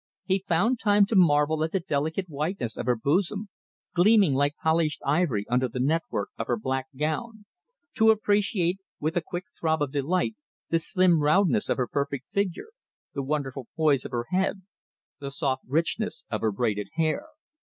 He found time to marvel at the delicate whiteness of her bosom, gleaming like polished ivory under the network of her black gown, to appreciate with a quick throb of delight the slim roundness of her perfect figure, the wonderful poise of her head, the soft richness of her braided hair.